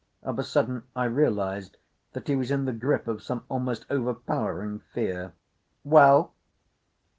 Of a sudden I realised that he was in the grip of some almost overpowering fear. "Well?"